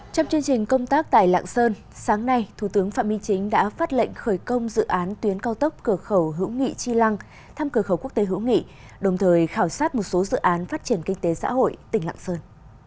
trong chương trình công tác tại lạng sơn sáng nay thủ tướng phạm minh chính đã phát lệnh khởi công dự án tuyến cao tốc cửa khẩu hữu nghị chi lăng thăm cửa khẩu quốc tế hữu nghị đồng thời khảo sát một số dự án phát triển kinh tế xã hội tỉnh lạng sơn